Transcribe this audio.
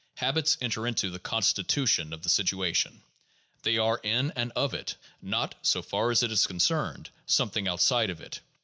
Habits enter into the constitution of the situation ; they are in and of it, not, so far as it is concerned, something outside of it.